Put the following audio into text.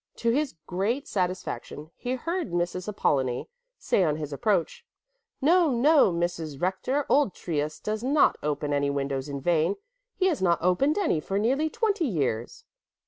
To his great satisfaction he heard Mrs. Apollonie say on his approach: "No, no, Mrs. Rector, old Trius does not open any windows in vain; he has not opened any for nearly twenty years."